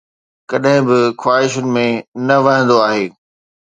ڪڏهن به خواهشن ۾ نه وهندو آهي